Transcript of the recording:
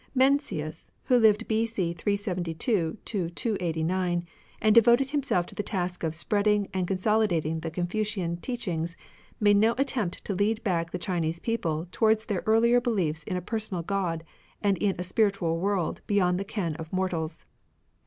Mencius and Mencius, who Uved B.C. 372 289, Confuolan and devoted himself to the task of spreading and consolidating the Con fucian teachings, made no attempt to lead back the Chinese people towards their early beliefs in a personal Grod and in a spiritual world beyond the ken of mortals.